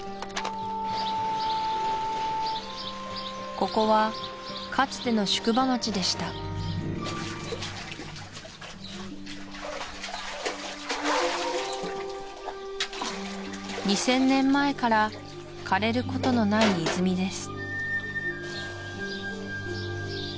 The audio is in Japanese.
ここはかつての宿場町でした２０００年前から枯れることのない泉です